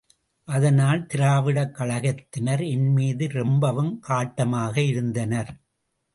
அதனால் திராவிடக் கழகத்தினர் என் மீது ரொம்பவும் காட்டமாக இருந்தனர்.